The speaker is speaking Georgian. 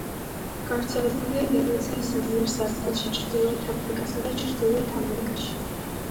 გავრცელებულია ევრაზიის ზომიერ სარტყელში, ჩრდილოეთ აფრიკასა და ჩრდილოეთ ამერიკაში.